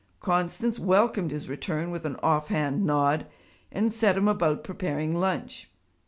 Constance welcomed his return with an off hand nod and set him about preparing lunch.